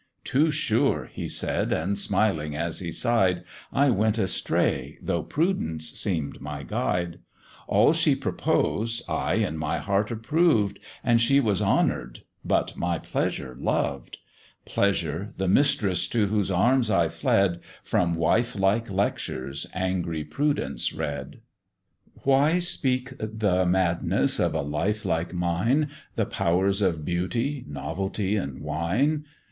"Too sure," he said, and smiling as he sigh'd; "I went astray, though Prudence seem'd my guide; All she proposed I in my heart approved, And she was honour'd, but my pleasure loved Pleasure, the mistress to whose arms I fled, From wife like lectures angry Prudence read. "Why speak the madness of a life like mine, The powers of beauty, novelty, and wine?